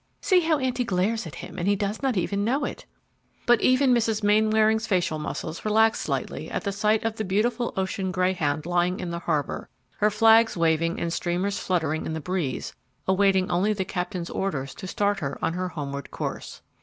See how auntie glares at him, and he does not even know it." But even Mrs. Mainwaring's facial muscles relaxed slightly at the sight of the beautiful ocean greyhound lying in the harbor, her flags waving and streamers fluttering in the breeze, awaiting only the captain's orders to start on her homeward course.